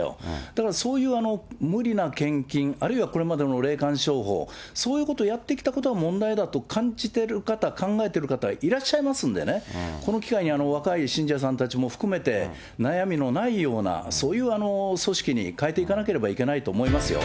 だからそういう無理な献金、あるいはこれまでの霊感商法、そういうことをやってきたことは問題だと感じてる方、考えている方、いらっしゃいますんでね、この機会に若い信者さんたちも含めて、悩みのないような、そういう組織に変えていかなければいけないと思いますよ。